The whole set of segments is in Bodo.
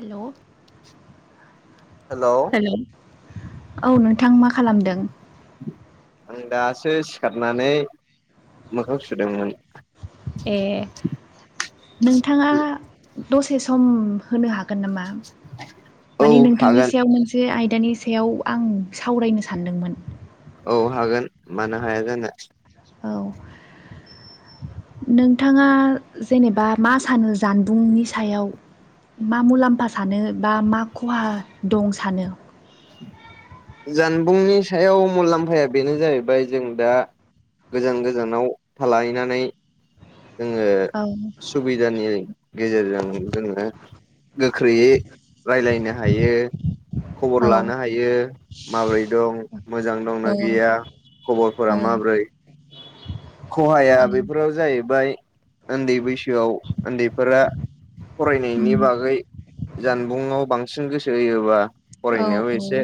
हेलौ हेलौ औ नों थां मा खालामदों? आं दासो सिखारनानै मोखां सुदोंमोन। ए नोंथाङा दसे सम होनो हा गोन नामा औ माने नोंथांनि हागोन सायाव मोनसे आयदानि सायाव आं सावरायनो सानदोंमोन। औ हागोन मानो हाया जानो। औ। नोंथाङा जेनेबा मा सानो जानबुंनि सायाव। मा मुलाम्फा सानो बा मा खहा दं सानो? जानबुंनि सायाव मुलाम्फाया बेनो जाहैबाय जों दा गोजान गोजानाव थालायनानै जोङो औ सुबिदानि गेजेरजों जोङो गोख्रैयै रायलायनो हायो। खबर औ लानो हायो माबोरै दं मोजां दंना औ गैया। औ खबरफोरा माब्रै। खहाया औ बेफोराव जाहैबाय उन्दै बैसोआव उन्दैफोरा उम फरायनायनि बागै जानबुंआव बांसिन गोसो होयोबा औ फरायनायाव औ। एसे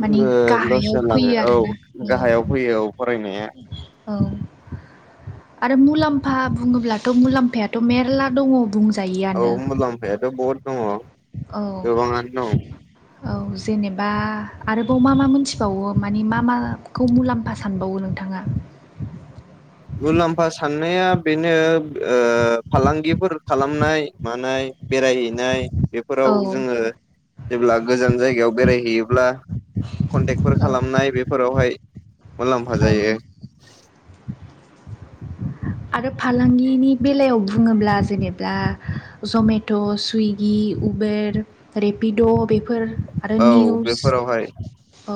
माने ओ लस गाहायाव जालाङो फैयो औ आरोना गाहायाव औ फैयो औ फरायनाया। औ आरो मुलाम्फा बुङोब्लाथ मुलाम्फायाथ मेरला दङ बुं औ मुलाम्फायाथ बहुत। औ। औ जेनेबा आरोबाव मा मा मोनथिबावो मानि मा माखौ मुलाम्फा सानबावो नों। नोंथाङा? मुलाम्फा साननाया बेनो ओ फालांगिफोर खालामनाय मानाय। बेरायहैनाय औ बेफोराव जोङो जेब्ला गोजान जायगायाव बेरायहैयोब्ला कन्टेक्टफोर औ खालामनाय बेफोरावहाय। मुलाम्फा औ जायो। आरो फालांगिनि बेलायाव बुङोब्ला जेनेब्ला जमेट सुइगि उबेर रेपिड बेफोर आरो औ निउस बेफोरावहाय औ।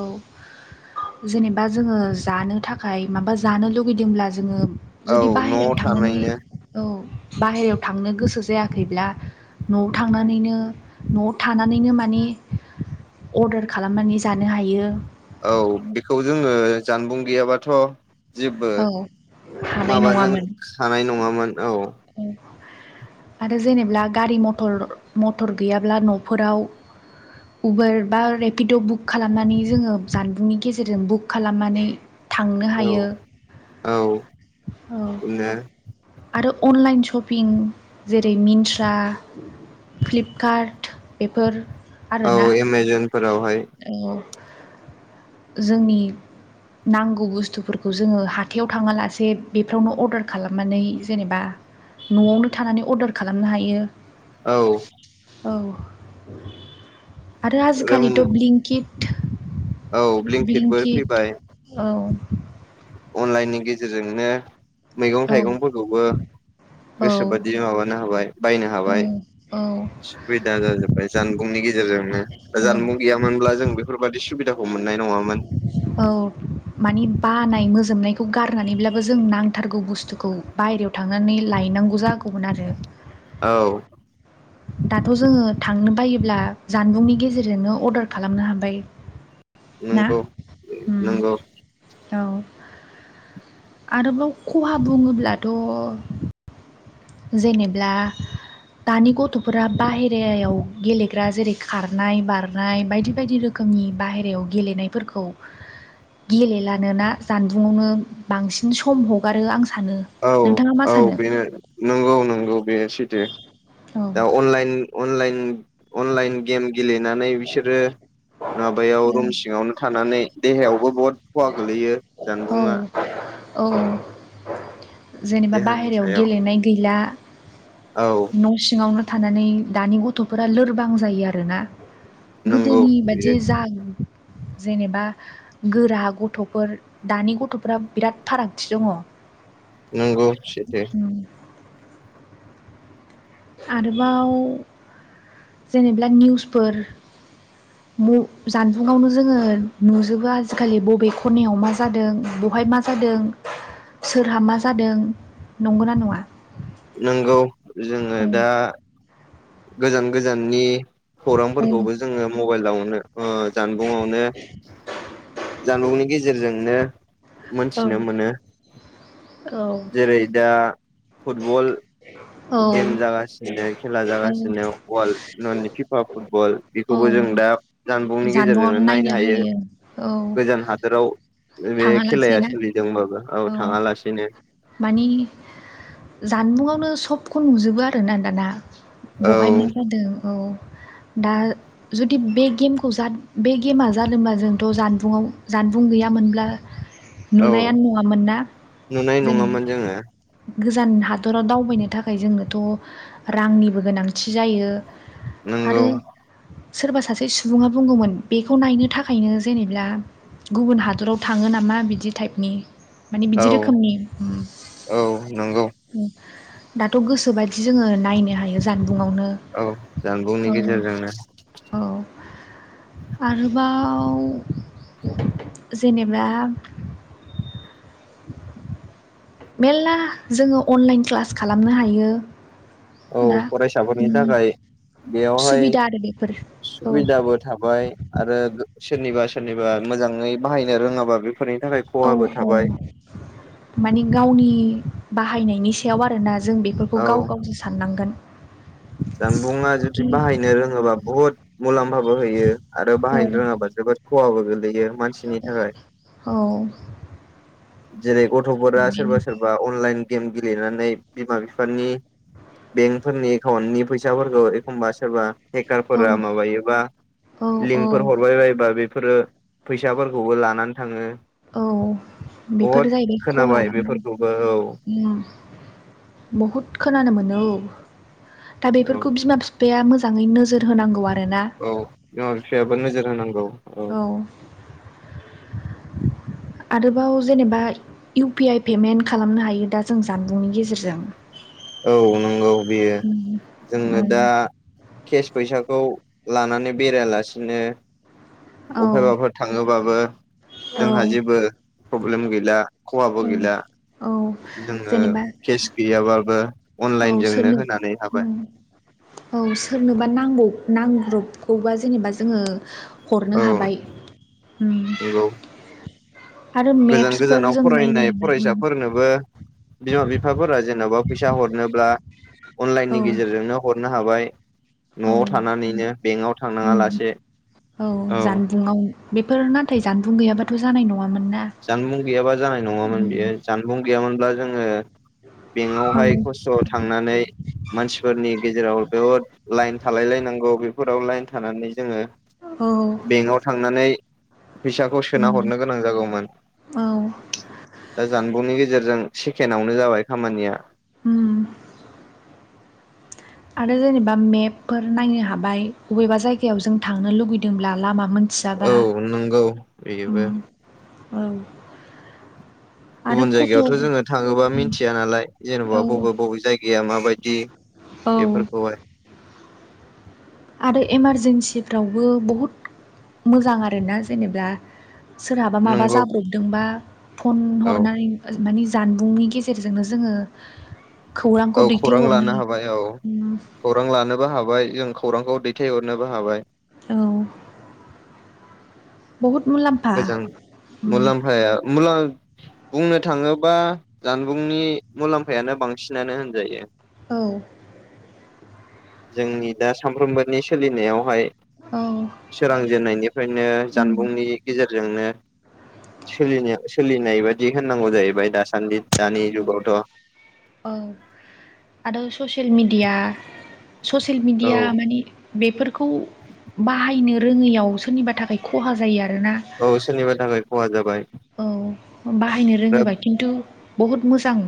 जेनेबा जोङो जानो थाखाय माबा जानो लुगैदोंब्ला जोङो औ जुदि न'आव बाहेरायाव थांनानै थानायनो औ बाहेरायाव थांनो गोसो जायाखैब्ला न'आव थांनानैनो न'आव थानानैनो माने अर्डार खालामनानै जानो हायो। औ बेखौ जोङो जानबुं गैयाबाथ'। जेबो औ हानाय माबाजों नङामोन खानाय नङामोन औ। आरो जेनेब्ला गारि मटर मटर गैयाब्ला न'फोराव। उबेर बा रेपिड बुक खालामनानै जोङो जानबुंनि गेजेरजों बुक खालामनानै। थांनो औ हायो। औ। औ बिदिनो आरो। अनलाइन सपिं जेरै मिनस्रा। फ्लिपकार्ट बेफोर। औ आरोना एमाजनफोराव। औ जोंनि। नांगौ बुस्थुफोरखौ जोङो हाथायाव थाङा लासे बेफ्रावनो अर्डार खालामनानै जेनेबा। न'आवनो थानानै अर्डार खालामनो हायो। औ। औ आरो रोम आजिखालि। खिट औ ब्लिंकिटबो ब्लिंकिट फैबाय औ। अनलाइननि गेजेरजोंनो मैगं औ थाइगंफोरखौबो। औ गोसोबादि माबानो हाबाय बायनो हाबाय औ सुबिदा जाजोब्बाय जान। मुंनि गेजेरजोंनो औ जानबुं गैयामोनब्ला जों बेफोरबादि सुबिदाखौ मोननाय नङामोन। औ। माने बानाय मोजोबनायखौ गारनानैब्लाबो जों नांथारगौ बुस्थुखौ बायेरायाव थांनानै लाय नांगौ जागौमोन आरो। औ। दाथ' जोङो थांनो बायोब्ला जानबुंनि गेजेरजोंनो अर्डार खालामनो हाबाय ना? नंगौ ओम नंगौ औ आरोबाव खहा बुङोब्लाथ' जेनेब्ला दानि गथ'फोरा बाहेरायाव गेलेग्रा जेरै खारनाय बारनाय बायदि बायदि रोखो नि बाहेरायाव गेलेनायफोरखौ गेलेलानोना जानबुंङावनो बांसिन सम हगारो आं सा औ औ बेनो। नंगौ नंगौ बे सैथो औ दा अनलाइन अनलाइन अनलाइन गेम गेलेनानै बिसोरो माबायाव रुम सिङावनो थानानै देहायावबो बहुत खहा गोलैयो औ जानबुङा औ जेनेबा देहानि बाहेरायाव सायाव गेलेनाय गैला औ न' सिङावनो थानानै दानि गथ'फोरा लोरबां जायो आरोना नंगौ गोदोनि बेयो बादि जा जेनेबा गोरा गथ'फोर दानि गथ'फोरा बिराद फारागथि दङ'। नोंगौ सैथो। उम आरोबाव जेनेब्ला निउसफोर जानबुंआवनो जोङो नुजोबो आजिखालि बबे खनायाव मा जादों बहाय मा जादों सोरहा मा जादों नंगौना नङा? नंगौ जोङो दा गोजान गोजाननि खौरांफोरखौबो जोङो मबाइलावनो ओ जानबुनावनो जानबुंनि गेजेरजोंनो मोनथिनो मोनो। जेरै दा फुटबल औ गेम जागासि खेला जागा सिनो अवाल न'नि फिफा फुटबल औ बेखौबो जों दा जानबुंनि गेजेरजोंनो नायनो हायो। औ गोजान हादोराव बे खेलाया थाङालासेनो सोलिदोंबाबो औ थाङालासिनो मानि जानबुंङावनो सबखौ नुजोबो आरोना दाना औ बहाय मा जादों औ दा जुदि बे गेमखौ जाद बे गेमा जादोंबा जोंथ' जानबुंआव जानबुं गैयामोन मोनब्ला औ नुनायानो नङामोन ना नुनाय जेनेबा नङामोन जोङो गोजान हादराव दावबायनो थाखाय जोंनोथ' रांनिबो गोनांथि जायो। नोंगौ। आरो सोरबा सासे सुबुङा बुंगौमोन बेखौ नायनो थाखायनो जेनेब्ला गुबुन हादराव थाङो नामा बिदि टाइपनि माने औ बिदि रोखोमनि औ नंगौ। दाथ' गोसोबायदि जोङो नायनो हायो जान बुङावनो औ जानबुंनि औ गेजेरजोंनो औ। आरोबा व जेनेबा मेर्ला जोङो अनलाइन क्लास खालामनो हायो। औ ना फरायसाफोरनि उम थाखाय बेयावहाय सुबिदा आरो बेफोर औ सुबिदाबो थाबाय आरो सोरनिबा सोरनिबा मोजाङै बाहायनो रोङाबा बे औ - औ मानि गावनि बाहायनायनि सायाव आरोना जों बेफोरखौ औ गाव गावजों साननांगोन जानबुंङा जुदि खि बाहायनो रोङोबा बुहुद मुलाम्फाबो होयो आरो औ बाहायनो रोङाबा जोबोद खवाबो गोलैयो मानसिनि थाखाय औ जेरै गथ'फोरा सोरबा बेनो सोरबा अनलाइन गेम गेलेनानै बिमा बिफानि बेंकफोरनि न नि फैसाफोरखौ एखमबा सोरबा औ हेकारफोरा माबायोबा औ औ लिंकफोर हरबाय बायोबा बे- फोरो फैसाफोरखौबो लानानै थाङो औ बहुद बेफोर जाहैबाय खोनाबाय बेफोरखौबो औ खहा बहुद खोनानो मोनो दा औ बेफोरखौ बिमा बिफाया मोजाङै नोजोर होनांगौआनो औ बिमा बिफायाबो नोजोर होनांगौ औ आरोबाव जेनेबा इउ पि आइ पेमेन्ट खालामनो हायो दा जों जानबुंनि गेजेरजों औ नंगौ बेयो उम जोङो उम दा केस फैसाखौ लानानै बेरायलासिनो औ बबायबाफोर थाङोबाबो औ जोंहा जेबो प्रब्लेम गैला खहाबो औ गैला औ जोङो जेनेबा केस गैयाबाबो औ अनलाइनजोंनो सोरनो होनानै हाबाय औ सोरनोबा नांगौ नांग्रबखौबा जेनेबा जोङो हरनो औ हाबाय नंगौ आरो गोजान मेप्सफोर गोजानाव जों नायनो फरायनाय हाबाय उम फरायसाफोरनोबो बिमा- बिफाफोरा जेन'बा फैसा हरनोब्ला अनलाइननि औ गेजेरजोंनो हरनो हाबाय औ न'आव थानानैनो बेंकआव थांनाङा उम लासे औ बेफोर नाथाय जानबुं गैयाब्लााथ' जानाय नं जानबुं गैयाबा जानाय नङामोन उम बियो जानबुं गैयामोनब्ला जोङो बेंकआवहाय औ खस्थ' थांनानै मानसिफोरनि गेजेराव बहुद लाइन थालाय लायनांगौ बेफोराव लाइन थानानै जोङो औ बेंकआव थांनानै फैसाखौ सोना उम हरनो गोनां जागौमोन औ दा जानबुंनि नि गेजेरजों सेकेणावनो जाबाय खामानिया उम आरो जेनेबा मेपफोर नायनो हाबाय बबेबा जायगायाव जों थांनो लुुबैदोंब्ला लामा औ मोन्थियाबा नंगौ बेबो उम औ आरो गुबुन फट' जायगायावथ' औ जोङो थाङोबा मिन्थिया नालाय जेन'बा बबेबा बबे जायगाया माबायदि औ बेफोरखौहाय। आरो इमारजेन्सिफ्रावबो बुहुद मोजां आरोना जेनेब्ला सोरहाबा माबा नंगौ जाब्रबदोंबा फन औ हरनानै ओ मानि जानबुंनि गेजेरजोंनो जोङो खौरांखौ औ खौरां दैथायहरनो लानो हाबाय, औ उम खौरां लानोबो हाबाय जों खौरांखौ दैथायहरनोबो हाबाय। औ बहुद मुलाम्फा गोजां उम मुलाम्फाया मुला बुंनो थाङोबा जानबुंनि मुलाम्फायानो बांसिनानो होनजायो। औ जोंनि दा सामफ्रोमबोनि सोलिनायावहाय औ सोरांजेननायनिफ्रायनो उम जानबुंनि फोरजोंनो सोलिनो सोलिनाय बिदि होननांगौ जाहैबाय दासान्दि दानि औ जुगावथ'। औ आरो ससियेल मिडिया ससियेल मिडिया माने बेफोरखौ बाहायनो रोङैयाव सोरनिबा थाखाय खहा जायो आरो। औ सोरनिबा थाखाय खहा जाबाय। औ बाहायनो बिराद रोङोबा खिन्थु बहुत मोजां।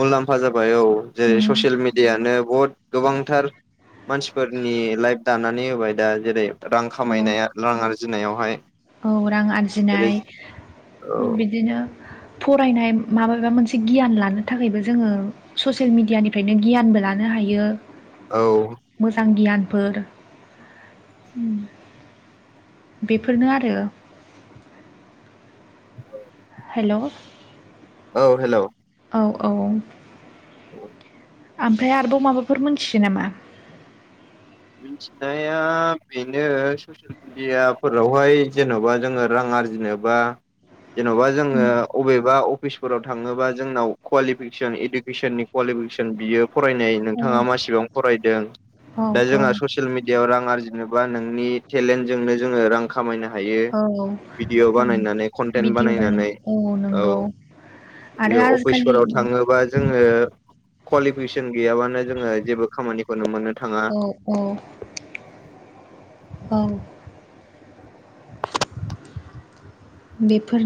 मुलाम्फा जाबाय औ जेरै उम ससियेल मिडियानो बहुत गोबांथार मानसिफोरनि लाइफ दानानै होबाय दा जेरै रां औ खामायनाय रां आरजिनायावहाय औ रां जेरै आरजिनाय औ बिदिनो फरायनाय माबेबा मोनसे गियान लानो थाखायबो जोङो ससियेल मिडियानिफ्रायनो गियानबो लानो हायो। औ मोजां गियानफोर, ओम। बेफोरनो आरो औ हेलौ औ हेलौ औ औ औ ओमफ्राय आरोबाव माबाफोर मोनथियो नामा? मिथिनाया बेनो ससियेल मिडियाफोरावहाय जेन'बा जोङो रां आरजिनोबा जेन'बा जोङो उम अबेबा अफिसफोराव थाङोबा जोंनाव कुवालिफिकेसन इडुकेसननि कुवालिफिकेसन बियो फरायनाय औ नोंथाङा मासेबां फरायदों। औ दा औ जोंहा ससियेल मिडिया आव रां आरजिनोबा नोंनि टेलेन्ट जोंनो जोङो रां खामायनो हायो, औ भिडिअ ओं बानायनानै कन्टेन्ट भिडिअ बानाय बानायनानै औ। नंगौ आरो आजिखालि अफिसफोराव थाङोबा जोङो कुवालिफिकेसन गैयाबानो जोङो जेबो खामानिखौनो मोननो थाङा। औ औ, औ बेफोरनि